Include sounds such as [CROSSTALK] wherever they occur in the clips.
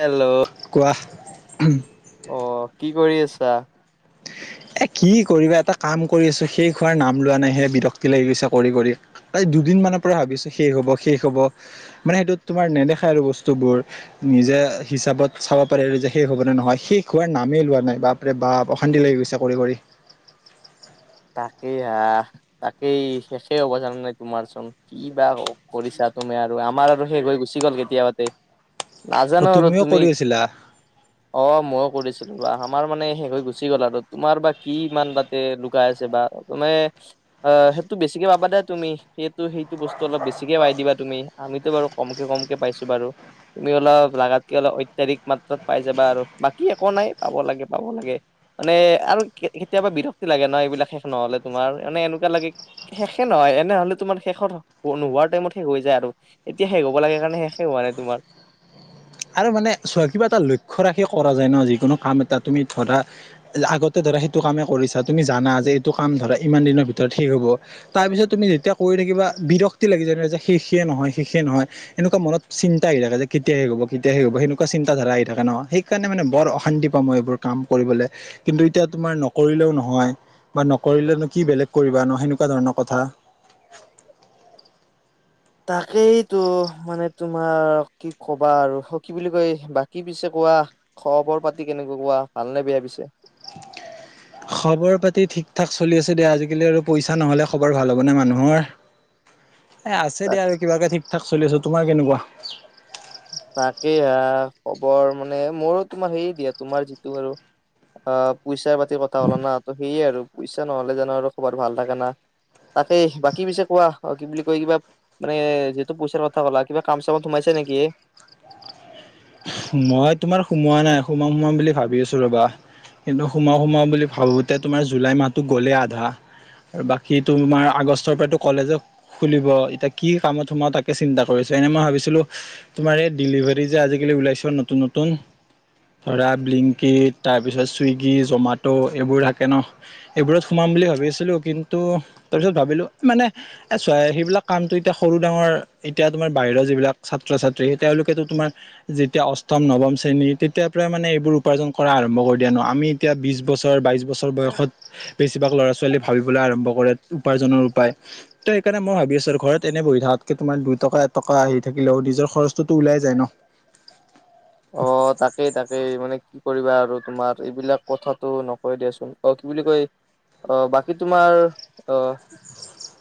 Hello কোৱা অ', কি কৰি আছা? এ কি কৰিবা এটা কাম কৰি আছো শেষ হোৱাৰ নাম লোৱা নাই হে বিৰক্তি লাগি গৈছে কৰি কৰি। প্ৰায় দুদিনমানানৰ পৰা ভাবিছো শেষ হব শেষ হব, মানে সেইটোত তোমাৰ নেদেখায় আৰু বস্তুবোৰ। নিজে হিচাপত চাব পাৰে আৰু যে শেষ হবনেে নহয়, শেষ হোৱাৰ নামেই লোৱা নাই বাবৰে অশান্তি লাগি গৈছে কৰি কৰি। তাকেই হা তাকেই শেষেই হ'ব জানো নাই তোমাৰচোন। কি বা কৰিছা তুমি, আৰু আমাৰ আৰু শেষ হৈ গুচি গ'ল কেতিয়াবাতে। অ নাজানো আৰু তুমিও তুমি কৰি আছিলা অ ময়ো কৰিছিলো বা আমাৰ মানে শেষ হৈ গুচি গ'ল আৰু তোমাৰ বা কি ইমান তাতে গাইছে ব ত ম [UNINTELLIGIBLE] [INAUDIBLE] অ সেইটো বেছিকে পাবা দে তুমি সেইটো সেইটো বস্তু অলপ বেছিকে পাই দিবা তুমি। আমিটো বাৰু কমকে কমকে পাইছো বাৰু। তুমি অলপ লাগাতকে অলপ অত্যাধিক মাত্ৰাত পাই যাবা আৰু বাকী একো নাই পাব লাগে পাব লাগে। মানে আৰু কেতিয়াবা বিৰক্তি লাগে ন, এইবিলাক শেষ নহলে তোমাৰ মানে এনেকুৱা লাগে শেষে নহয়, এনেহলে তোমাৰ শেষত নোহোৱাৰ টাইমত শেষ হৈ যায় আৰু। এতিয়া শেষ হব লাগে কাৰণে শেষ হোৱা নাই তোমাৰ। আৰু মানে চোৱা কিবা এটা লক্ষ্্য ৰাখি কৰা যায় ন যিকোনো কাম এটা তুমি ধৰা আগতে ধৰা সেইটো কামেই কৰিছা, তুমি জানা যে এইটো কাম ধৰা ইমান দিনৰ ভিতৰত শেষ হ'ব তাৰপিছত তুমি যেতিয়া কৰি থাকিবা বিৰক্তি লাগি যয় ন শেষে নহয় শেষে নহয়। এনেকুৱা মনত চিন্তা আহি থাকে যে কেতিয়া, হে হ'ব। কেতিয়া সে হ'ব, সেনেকুৱা চিন্তাধাৰা আহি থাকে ন সেইকাৰণে মানে বৰ অশান্তি পাওঁই এইবোৰ কাম কৰিবলৈ কিন্তু এতিয়া তোমাৰ নকৰিলেও নহয় বা, নকৰিলেনো কি বেলেগ কৰিবা ন সেনেকুৱা ধৰণৰ কথা। তাকেইটো মানে তোমাৰ, কি কবা আৰু কি বুলি কয় বাকী পিছে কোৱা। খবৰ পাতি কেনেকুৱা কোৱা, ভালনে বেয়া পিছে? খবৰ পাতি ঠিক ঠাক চলি আছে দিয়া, আজিকালি আৰু পইচা নহ'লে খবৰ ভাল হ'ব নে মানুহৰ। এ আছে দিয়া আৰু কিবাকে ঠিক ঠাক চলি আছো, তোমাৰ কেনেকুৱা? তাকে হা, খবৰ মানে মোৰো তোমাৰ সেই দিয়া তোমাৰ যিটো আৰু আহ পইচা পাতি কথা ক'লা না, সেয়ে আৰু পইচা নহলে জানো আৰু খবৰ ভাল থাকে না। তাকেই বাকী পিছে কোৱা, কি বুলি কয় কিবা মানে যিহেতু পইচাৰ কথা ক'লা কিবা কাম চামত সোমাইছে নেকি? মই তোমাৰ সোমোৱা নাই সোমাম সোমাম বুলি ভাবি আছো ৰবা কিন্তু সোমাও সোমাও বুলি ভাবোতে তোমাৰ জুলাই মাহতো গ'লেই আধা আৰু বাকী তোমাৰ আগষ্টৰ পৰাতো কলেজ খুলিব, এতিয়া কি কামত সোমাও তাকে চিন্তা কৰিছো এনে মই ভাবিছিলো তোমাৰ এই ডেলিভাৰী যে আজিকালি ওলাইছে, নতুন নতুন ধৰা ব্িংকিট তাৰপিছত ছুইগি জমেটো এইবোৰ থাকে ন [UNINTELLIGIBLE] এইবোৰত সোমাম বুলি ভাবিছিলো কিন্তু, তাৰপিছত ভাবিলো মানে এ চোৱা সেইবিলাক কামটো এতিয়া সৰু ডাঙৰ, এতিয়া তোমাৰ বাহিৰা যিবিলাক ছাত্ৰ ছাত্ৰী তেওঁলোকেতো তোমাৰ যেত তেতিয়া অষ্টম, নৱম শ্ৰেণী তেতিাৰ পৰাই মানে এইবোৰ উপাৰ্জন কৰা আৰম্ভ কৰি দিয়া নহ। আমি এতিয়া বিশ বছৰ, বাইছ বছ বয়সত, বেছিভাগ ল'ৰা-ছোৱালী ভাবিবলৈ আৰম্ভ কৰে উপাৰ্জনৰ উপায়। ত' সেইকাৰণে মই ভাবি আছোঁ আৰু, ঘৰত এনে বহি থকাতকে তোমাৰ দুটকা এটকা আহি থাকিলেও নিজৰ খৰচটোতো ওলাই যায় নহ। অ', তাকেই, তাকেই মানে কৰিবা আৰু তোমাৰ, এইবিলাক কথাটো নকয় দিয়াচোন অ' কি বুলি কয় অ', বাকী তোমাৰ, অ'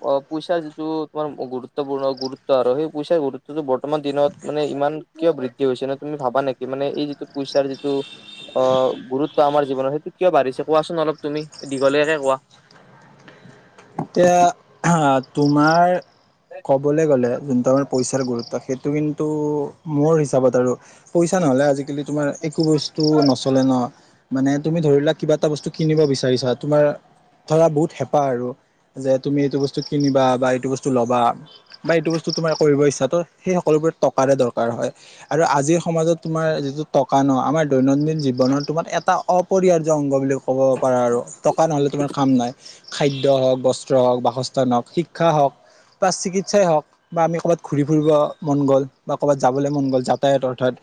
অ', পইচাৰ যিটো তোমাৰ গুৰুত্বপূৰ্ণ, গুৰুত্ব আৰু সেই পইচাৰ গুৰুত্বটো বৰ বৰ্তমান দিনত মানে ইমান কিয় বৃদ্ধি হৈছে নহ, তুমি ভাবা নেকি মানে এই যিটো পইচাৰ যিটো অ', গুৰুত্ব আমাৰ জীৱনত সেইটো কিয় বাঢ়িছে, কোৱাচোন অলপ তুমি দীঘলীয়াকে কোৱা। এতিয়া [UNINTELLIGIBLE] তোমাৰ কবলে গ'লে যোন ত পইচাৰ গুৰুত্ব, সেইটো কিন্তু মোৰ হিচাপত আৰু পইচা নহ'লে আজিকালি তোমাৰ একো বস্তু নচলে নহয়। মানে তুমি ধৰি লোৱা কিবা এটা বস্তু কিনিব বিচাৰিছা, তোমাৰ ধৰা বহুত হেঁপাহ আৰু যে তুমি এইটো বস্তু কিনিবা বা এইটো বস্তু ল'বা। বা এইটো বস্তু তোমাৰ কৰিব ইচ্ছা, ত' সেই সকলোবোৰত টকাৰে দৰকাৰ হয়। আৰু আজিৰ সমাজত তোমাৰ যিটো টকা নহ, আমাৰ দৈনন্দিন জীৱনৰ তোমাৰ এটা অপৰিহাৰ্য অংগ বুলি ক ক'ব পাৰা আৰু, টকা নহ'লে তোমাৰ কাম নাই খাদ্য হওক বস্ত্ৰ হওঁক, বাসস্থান হওঁক, শিক্ষা হওক বা চিকিৎসাই হওঁক বা আমি ক'বাত ঘূৰি ফুৰিব মন গ'ল বা ক'বাত যাবলে মন গ'ল যাতায়ত, অৰ্থাৎ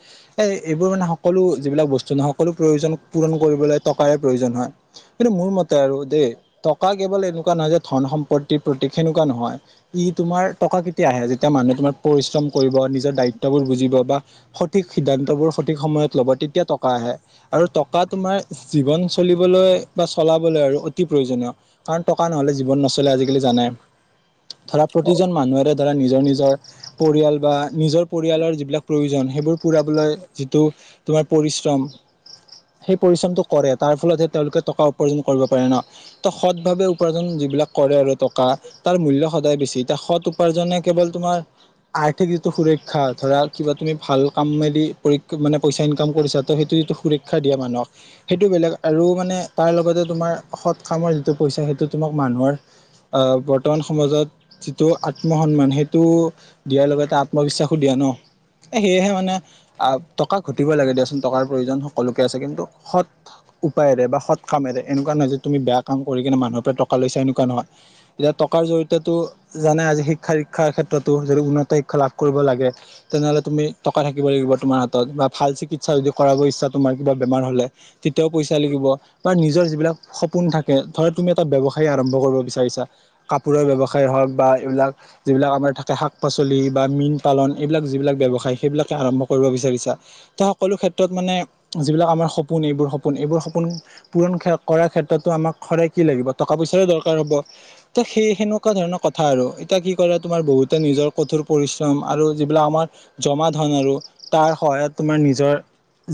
এই এইবোৰ মানে সকলো যিবিলাক বস্তু নহয়, সকলো প্ৰয়োজন পূৰণ কৰিবলৈ টকাৰে প্ৰয়োজন হয়। কিন্তু মোৰ মতে আৰু দেই, টকা কেৱল এনেকুৱা নহয় যে ধন সম্পত্তিৰ প্ৰতীক সেনেকুৱা নহয়। ই তোমাৰ টকা কেতিয়া আহে যেতিয়া মানুহে তোমাৰ পৰিশ্ৰম কৰিব, নিজৰ দায়িত্ববোৰ বুজিব বা সঠিক সিদ্ধান্তবোৰ সঠিক সময়ত ল'ব তেতিয়া টকা আহে। আৰু টকা তোমাৰ, জীৱন চলিবলৈ বা চলাবলৈ আৰু অতি প্ৰয়োজনীয়। কাৰণ টকা নহ'লে জীৱন নচলে আজিকালি জানেই, ধৰা অ প্ৰতিজন মানুহৰে ধৰা নিজৰ নিজৰ পৰিয়াল বা নিজৰ পৰিয়ালৰ যিবিলাক প্ৰয়োজন, সেইবোৰ পুৰাবলৈ যিটো তোমাৰ প্ৰৰিশ্ৰম সেই প্ৰৰিশ্ৰমটো কৰে, তাৰ ফলতহে তেওঁলোকে টকা উপাৰ্জন কৰিব পাৰে নহ, ত' সদভাৱে উপাৰ্জন যিবিলাক কৰে আৰু টকা তাৰ মূল্য সদায় বেছি, এতিয়া সৎ উপাৰ্জনে কেৱল তোমাৰ আৰ্থিক যিটো সুৰক্ষা ধৰা, কিবা তুমি ভাল কামেদি মানে পইচা ইনকাম কৰিছা ত' সেইটো যিটো সুৰক্ষা দিয়া মানুহক, সেইটো বেলেগ আৰু মানে তাৰ লগতে তোমাৰ সৎ কামৰ যিটো পইচা সেইটো তোমাক মানুহৰ আহ বৰ্তমান সমাজত যিটো আত্ম সন্মান, সেইটো দিয়াৰ লগতে আত্মবিশ্বাসো দিয়ে নহ। এ সেয়েহে মানে আহ টকা ঘটিব লাগে দিয়াচোন টকাৰ প্ৰয়োজন সকলোকে আছে, কিন্তু সৎ উপায়েৰে বা সৎ কামেৰে, এনেকুৱা নহয় যে তুমি বেয়া কাম কৰি কিনে মানুহৰ পৰা টকা লৈছা এনেকুৱা নহয়। এতিয়া টকাৰ জৰি়য়তেতো জানাই, আজি শিক্ষা দিক্ষাৰ ক্ষেত্ৰতো যদি উন্নত শিক্ষা লাভ কৰিব লাগে তেনেহ'লে তুমি, টকা থাকিব লাগিব তোমাৰ হাতত বা ভাল চিকিৎসা যদি কৰাব ইচ্ছা তোমাৰ কিবা বেমাৰ হ'লে তেতিয়াও পইচা লাগিব বা নিজৰ যিবিলাক সপোন থাকে, ধৰা তুমি এটা ব্যৱসায় ব্যৱসায় আৰম্ভ কৰিব বিচাৰিছা, কাপোৰৰ ব্যৱসায় হওক বা এইবিলাক যিবিলাক আমাৰ থাকে শাক-পাচলি বা মীন পালন, এইবিলাক যিবিলাক ব্যৱসায় সেইবিলাক আৰম্ভ কৰিব বিচাৰিছা ত' সকলো ক্ষেত্ৰত মানে যিবিলাক আমাৰ সপোন, এইবোৰ সপোন এইবোৰ সপোন পূৰণ কৰাৰ ক্ষেত্ৰতো আমাক সদাই কি লাগিব টকা পইচাৰে দৰকাৰ হ'ব, ত' সেই সেনেকুৱা ধৰণৰ কথা আৰু এতিয়া কি কৰা তোমাৰ বহুতে নিজৰ কঠোৰ পৰিশ্ৰম, আৰু যিবিলাক আমাৰ জমা ধন আৰু, তাৰ সহায়ত তোমাৰ নিজৰ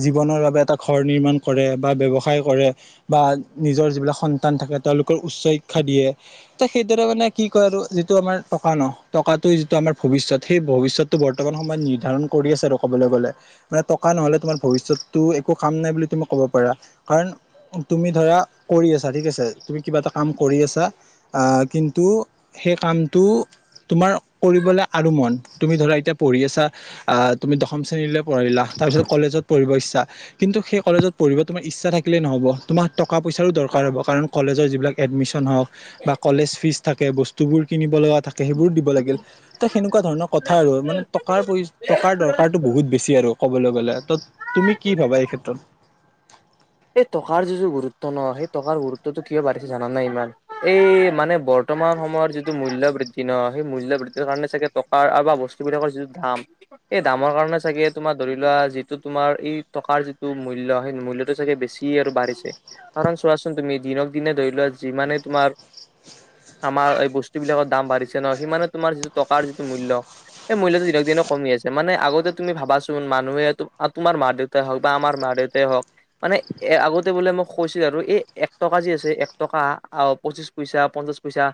জীৱনৰ বাবে এটা ঘৰ নিৰ্মাণ কৰে বা ব্যৱসায় কৰে বা নিজৰ যিবিলাক সন্তান থাকে তেওঁলোকৰ উচ্চ শিক্ষা দিয়ে। ত সেইদৰে মানে কি কয় আৰু যিটো আমাৰ টকা ন টকাতটো যিটো আমাৰ ভৱিষ্যত সেই ভৱিষ্যত টো বৰ্তমান সময়ত নিৰ্ধাৰণ কৰি আছে আৰু ক'বলৈ গ'লে। মানে টকা নহলে তোমাৰ ভৱিষ্যতটো একো কাম নাই বুলি তুমি ক'ব পাৰা কাৰণ তুমি ধৰা কৰি আছা ঠিক আছে। তুমি কিবা এটা কাম কৰি আছা আহ কিন্তু সেই কামটো তোমাৰ কৰিবলে আৰু মন তুমি ধৰা এতিয়া পঢ়ি আছা। আহ তুমি দশম শ্ৰেণীলৈ পঢ়িলা তাৰ পিছত কলেজত পঢ়িব ইচ্ছা। কিন্তু সেই কলেজত পঢ়িব তোমাৰ ইচ্ছা থাকিলেই নহব। তোমাৰ টকা পইচাৰো দৰকাৰ হ'ব কাৰণ কলেজৰ যিবিলাক এডমিশ্যন হওক বা কলেজ ফীজ থাকে বস্তু। বস্তুবোৰ কিনিব লগা থাকে সেইবোৰো দিব লাগিল, এ সেনেকুৱা ধৰণৰ কথা আৰু মানে টকাৰ টকাৰ দৰকাৰতটো বহুত বেছি আৰু ক'বলৈ গ'লে ত'। তুমি কি ভাবা এই ক্ষেত্ৰত? এই টকাৰ যিটো গুৰুত্ব ন সেই টকাৰ গুৰুত্বতটো কিয় বাঢ়িছে জানো নে ইমান। এই মানে বৰ্তমান সময়ত যিটো মূল্য বৃদ্ধি ন সেই মূল্য বৃদ্ধিৰ কাৰণে চাগে টকা বা বস্তুবিলাকৰ যিটো দাম। এই দামৰ কাৰণে চাগে তোমাৰ ধৰি লোৱা যিটো তোমাৰ এই টকাৰ যিটো মূল্য সেই মূল্যত চাগে বেছি আৰু বাঢ়িছে কাৰণ চোৱাচোন তুমি দিনক দিনে ধৰি লোৱা যিমানে তোমাৰ আমাৰ এই বস্তু বিলাকৰ দাম বাঢ়িছে ন সিমানে তোমাৰ যিটো টকাৰ যিটো মূল্য। এই মূল্যটো দিনক দিনে কমি আছে মানে আগতে তুমি ভাবাচোন মানুহে তোমাৰ মা দেউত হওক বা আমাৰ মা দেউতা হওক। মানে এ আগতে বোলে মোক কৈছিল আৰু এই এক টকা যি আছে এক টকা অ পঁচিছ পইচা পঞ্চাশ পইচা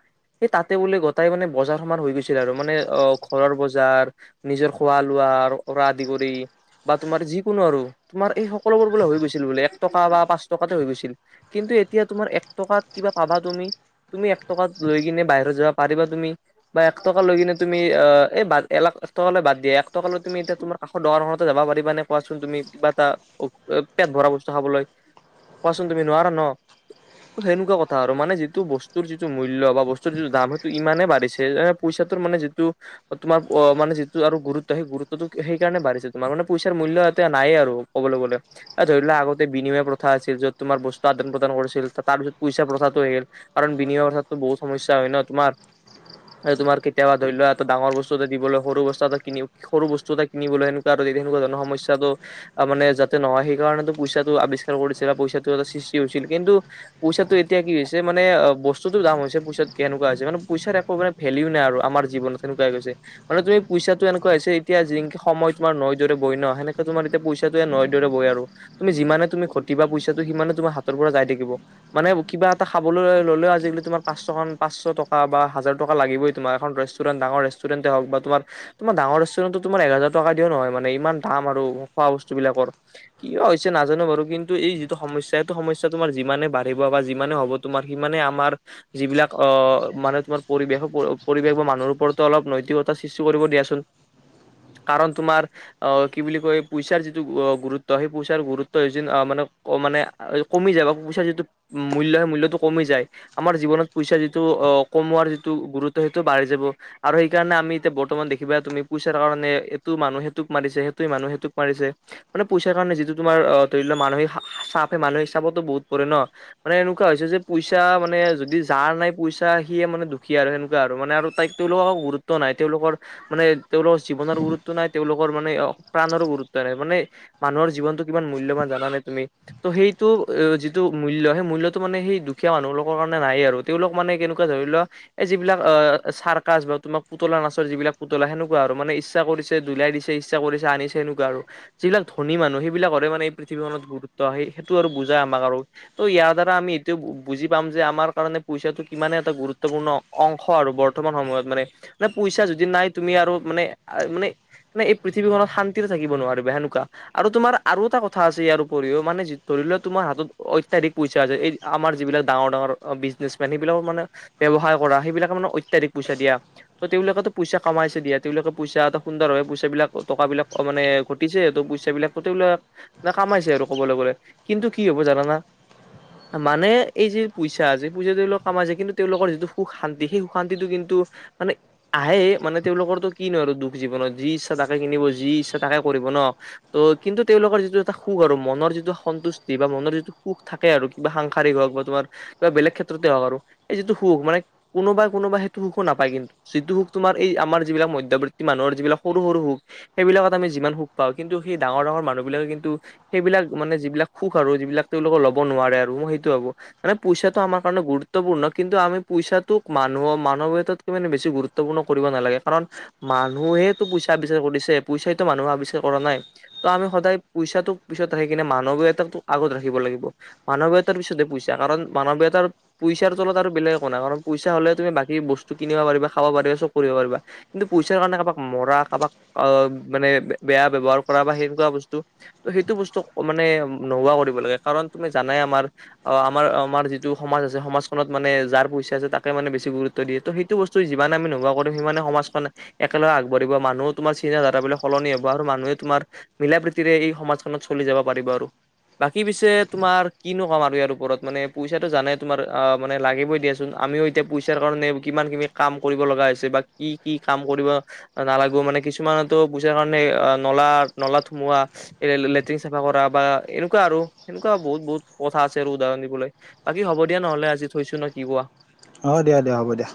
এই তাতে বোলে গোটাই মানে বজাৰ সমান হৈ গৈছিল আৰু মানে অ ঘৰৰ বজাৰ। নিজৰ খোৱা লোৱাৰ পৰা আদি কৰি। বা তোমাৰ যিকোনো আৰু তোমাৰ এই সকলোবোৰ বোলে হৈ গৈছিল বোলে এক টকা বা পাঁচ টকাতে হৈ গৈছিল। কিন্তু এতিয়া তুমাৰ এক টকাত কিবা পাবা তুমি? তুমি এক টকাত লৈ কিনে বাহিৰত যাবা পাৰিবা তুমি? বা এক টকা লৈ কিনে তুমি অ এই বাদ এলাখ এক টকালৈ বাদ দিয়া এক টক লৈ তুমি এতিয়া তোমাক ককৌ দৰখনতে যাব পাৰিব নে কোৱাচোন তুমি কিবা এটা পট ভৰা বস্তু খাবলৈ কোৱাচোন তুমি নোৱাৰা ন। সেনেকুৱা কথা আৰু মানে যিটো বস্তুৰ যিটো মূল্য বা বস্তুৰ যিটো দাম সেইটো ইমানেই বাঢ়িছে যে পইচাটোৰ মানে যিটো তোমাৰ অ মানে যিটো আৰু গুৰুত্ব সেই গুৰুত্বটো সেই কাৰণে বাঢ়িছে তোমাৰ মানে পইচাৰ মূল্য এটা নাইে আৰু। ক'বলৈ গলে। ধৰি লোৱা আগতে বিনিময় প্ৰথা আছিল য'ত তোমাৰ বস্তু আদান প্ৰদান কৰিছিল তাৰ পিছত পইচা প্ৰথাটো আহিল। কাৰণ বিনিময় প্ৰথাতো বহুত সমস্যা হয় ন তোমাৰ। তোমাৰ কেতিয়াবা ধৰি লোৱা এটা ডাঙৰ বস্তু এটা দিবলৈ সৰু বস্তু এটা কিনি সৰু বস্তু এটা কিনিবলৈ সেনেকুৱা আৰু তেনেকুৱ ধণৰ সমস্যা অ মানে যাতে নহয় সেই সেই কাৰণে পইচাটো আৱিষ্কাৰ কৰিছিল বা পইচাটো এটা সৃষ্টি হৈছিল। কিন্তু পইচাটো এতিয়া কি হৈছে মানে অ বস্তুতটো দাম হৈছে পইচাত কেনেকুৱা হৈছে মানে পইচাৰ একো মানে ভেলোও নাই আৰু আমাৰ জীৱনত তেনেকুৱা হৈ গৈছে। মানে তুমি পইচাটো এনেকুৱা হৈছে এতিয়া সময় তোমাৰ নৈ দৰে বয় ন সেনেকে তোমাৰ এতিয়া পইচাটো নৈ দৰে বয় আৰু। তুমি যিমানে তুমি ঘতিবা পইচাটো সিমানে তোমাৰ হাতৰ পৰা যাই থাকিব। মানে কিবা এটা খাবলৈ ল'লেও আজিকালি তোমাৰ পাঁচশান পাঁচশ টকা বা হাজাৰ টকা লাগিবই। তোমাৰ এ পুৰা ডাঙৰ ৰেচটোৰেন্ট হক বা তুমাৰ তোমাৰ ডাঙৰ ৰেষ্টুৰেণ্টতো তোমাৰ এহজাৰ টকা দিয়ও নহয় মানে ইমান দাম আৰু খোৱা বস্তু বিলাকৰ। কিয় হৈছে নাজানো বাৰু কিন্তু এই যিটো সমস্যা সেইটো সমস্যা তোমাৰ যিমানে বাঢ়িব বা যিমানে হ'ব। তোমাৰ সি মানে আমাৰ যিবিলাক অ মানে তোমাৰ পৰিৱেশ পৰিৱেশ বা মানুহৰ ওপৰতো অলপ নৈতিকতা সৃষ্টি কৰিব দিয়াচোন। কাৰণ তোমাৰ আহ কি বুলি কয় পইচাৰ যিটো গুৰুত্ব। ত, সেই পইচাৰ গুৰুত্ব যে, মানে-মানে কমি যায় বা পইচা যিটো মূল্য হয়, মূল্যটো কমি যায়। আমাৰ জীৱনত পইচা যিটো অ, কমোৱাৰ যিটো গুৰুত্ব সেইটো বাঢ়ি যাব। আৰু সেইকাৰণে আমি এতিয়া বৰ্তমান দেখিবা তুমি পইচাৰ কাৰণে এইটো মানুহ সেইটোক মাৰিছে, সেইটো মানুহ সেইটোক মাৰিছে। মানে, পইচাৰ কাৰণে যিটো তোমাৰ অ, ধৰি লোৱা মানসিক চাপে, মানসিক চাপতো বহুত পৰে ন, মানে এনেকুৱা হৈছে যে, পইচা মানে যদি যাৰ নাই পইচা সিয়ে মানে দুখীয়া আৰু সেনেকুৱা আৰু মানে আৰু তাইক তেওঁলোকক, গুৰুত্ব নাই তেওঁলোকৰ মানে তেওঁলোকৰ জীৱনৰ গুৰুত্ব নাই, তেওঁলোকৰ মানে প্ৰাণৰো গুৰুত্ব নাই, মানে মানুহৰ জীৱনটো কিমান মূল্যবান জানানে তুমি? ত, সেইটো যিটো মূল্য সেই মূল্যটো মানে সেই দুখীয়া মানুহবিলাকৰ কাৰণে নাইয়েই আৰু তেওঁলোক মানে কেনেকোৱা ধৰি লোৱা এই যিবিলাক অ, চাৰ্কাচ বা তোমাক পুতলা নাচৰ যিবিলাক পুতলা সেনেকোৱা আৰু মানে ইচ্ছা কৰিছে, ধুলাই দিছে ইচ্ছা কৰিছে আনিছে, এনেকোৱা আৰু যিলাক ধনী মানুহ সেইবিলাকৰে মানে পৃথিৱীখনত গুৰুত্ব, আহ, সেইটো আৰু বুজাই আমাক আৰু ত, ইয়াৰ দ্বাৰা আমি এইটোও বুজি পাম যে, আমাৰ কাৰণে পইচাটো কিমানে এটা গুৰুত্বপূৰ্ণ। অংশ আৰু বৰ্তমান সময়ত মানে, মানে পইচা যদি নাই তুমি আৰু মানে আ, মানে মানে এই পৃথিৱীখনত শান্তিৰে থাকিব নোৱাৰিবা সেনেকুৱা। আৰু তোমাৰ আৰু এটা কথা আছে ইয়াৰ উপৰিও, মানে ধৰি লোৱা তোমাৰ হাতত অত্যাধিক পইচা আছে, এই আমাৰ যিবিলাক ডাঙৰ ডাঙৰ বিজনেছমেন সেইবিলাকৰ মানে ব্যৱসায় কৰা সেইবিলাক মানে অত্যাধিক পইচা দিয়া। ত তেওঁলোকেতটো পইচা কমাইছে দিয়া তেওঁলোকে পইচা এটা সুন্দৰভে পইচা বিলাক, টকা বিলাক মানে ঘটিছে সে, পইচা বলাকো তেওঁবিলাকে কামাইছে আৰু ক'বলৈ গ'লে, কিন্তু কি হ'ব জানানে? মানে এই যি পইচা আছে পইচা তেওঁলোক কামাইছে, কিন্তু তেওঁলোকৰ যিটো সুখ-শান্তি সেই সুখ-শান্তিটো কিন্তু মানে আহে মানে, তেওঁলোকৰতো কিনো আৰু দুখ জীৱনত যি ইচ্ছা তাকে কিনিব, যি ইচ্ছা তাকে কৰিব ন, ত, কিন্তু তেওঁলোকৰ যিটো এটা সুখ আৰু মনৰ যিটো সন্তুষ্টি বা মনৰ যিটো সুখ থাকে আৰু কিবা সাংসাৰিক হওঁক বা তোমাৰ কিবা বেলেগ ক্ষেত্ৰতে হওঁক আৰু এই যিটো সুখ মানে কোনোবাই কোনোবাই সেইটো সুখও নাপায় কিন্তু। যিটো সুখ তোমাৰ এই আমাৰ যিবিলাক মধ্যবৰ্তি মানুহৰ যিবিলাক সৰু সৰু সুখ সেইবিলাকত আমি যিমান সুখ পাওঁ, কিন্তু সেই ডাঙৰ- ডাঙৰ মানুহ বিলাকে কিন্তু সেইবিলাক মানে যিবিলাক সুখ আৰু যিবিলাক তেওঁলোকৰ ল'ব নোৱাৰে আৰু মই সেইটো ভাবো। মানে পইচাটো আমাৰ কাৰণে গুৰুত্বপূৰ্ণ, কিন্তু আমি পইচাটোক মানুহৰ মানৱীয়ত মানে বেছি গুৰুত্বপূৰ্ণ কৰিব নালাগে কাৰণ মানুহেইটো পইচা আৱিষ্কাৰ কৰিছে, পইচাইটো মানুহ আৱিষ্কাৰ কৰা নাই। ত, আমি সদায় পইচাটোক পিছত ৰাখি কেনে, মানৱীয়তাটো আগত ৰাখিব লাগিব। মানৱীয়তাৰ পিছতহে পইচা কাৰণ মানৱীয়তাৰ পইচাৰ তলত আৰু বেলেগ একো নাই, কাৰণ পইচা হ'লে তুমি বাকী বস্তু কিনিব পাৰিবা, খাব পাৰিবা চব কৰিব পাৰিবা। কিন্তু পইচাৰ কাৰণে কাৰোবাক মৰা, কাৰোবাক মানে বেয়া ব্যাৱহাৰ কৰা বা সেনেকোৱা বস্তু ত, সেইটো বস্তু মানে নোহোৱা কৰিব লাগে, কাৰণ তুমি জানাই আমাৰ অ, আমাৰ-আমাৰ যিটো সমাজ আছে, সমাজখনত মানে যাৰ পইচা আছে, তাকে মানে বেছি গুৰুত্ব দিয়ে সেইটো বস্তু যিমান আমি নোহোৱা কৰোঁ, সিমানে সমাজখনে একেলগ আগবাঢ়িব, মানুহ তোমাৰ চিনা-ধাৰা ই সলনি হ'ব আৰু মানুহ তোমাৰ মিলা প্ৰীতিৰে এই সমাজখনত চলি যাব পাৰিব আৰু। বাকী পিছে তোমাৰ কিনো কম আৰু ইয়াৰ ওপৰত মানে পইচাটো জানে তোমাৰ অ, মানে লাগিবই দিয়াচোন আমিও এ এতিয়া পইচাৰ কাৰণে কিমানখিনি কাম কৰিব লগা হৈছে, বা কি কি কাম কৰিব নালাগো, মানে কিছুমানেতো পইচাৰ কাৰণে ন'লা-ন'লাত সোমোৱা এ, লেটিন চাফা কৰা বা এনেকুৱা আৰু এনেকুৱা বহুত বহুত কথা আছে আৰু উদাহৰণ দিবলৈ। বাকী হ'ব দিয়া নহ'লে আজি থৈছো ন, কি কোৱা। অ, দিয়া-দিয়া হ'ব দিয়া।